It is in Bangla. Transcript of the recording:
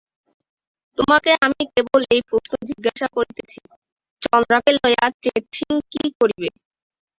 তোমাকে আমি কেবল এই প্রশ্ন জিজ্ঞাসা করিতেছি, চন্দ্রাকে লইয়া চেৎসিং কী করিবে?